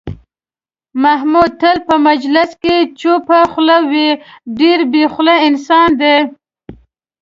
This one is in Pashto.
محمود تل په مجلس کې چوپه خوله وي، ډېر بې خولې انسان دی.